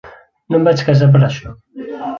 No em vaig casar per a això.